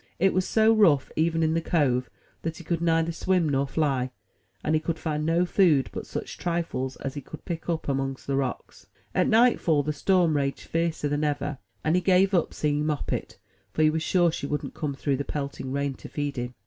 It was so rough, even in the cove, that he could neither swim nor fly, and he could find no food but such trifles as he could pick up among the rocks. At nightfall the storm raged fiercer than ever, and he gave up seeing Moppet; for he was sure she wouldn't come through the pelting rain to feed him.